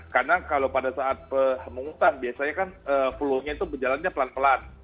karena kalau pada saat penghutang biasanya kan peluangnya itu berjalannya pelan pelan